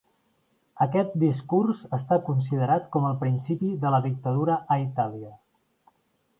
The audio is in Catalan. Aquest discurs està considerat com el principi de la dictadura a Itàlia.